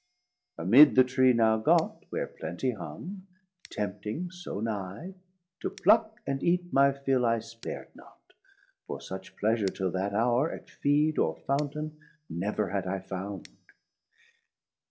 Amid the Tree now got, where plentie hung Tempting so nigh, to pluck and eat my fill I spar'd not, for such pleasure till that hour At Feed or Fountain never had I found.